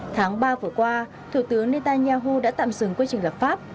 tháng ba vừa qua thủ tướng netanyahu đã tạm dừng quy trình lập pháp